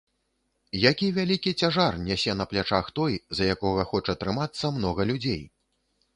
Які вялікі цяжар нясе на плячах той, за якога хоча трымацца многа людзей!